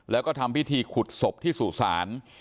แล้วก็ทำพิธีขุดศพที่สู่ศาล